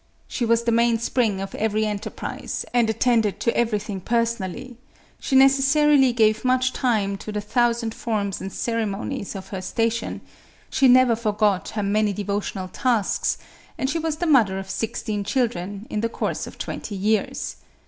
She was the mainspring of every enterprise, and attended to everything personally ; she necessarily gave much time to the thousand forms and ceremonies of her station ; she never forgot her many devotional tasks ; and she was the mother of sixteen children, in the course of twenty years.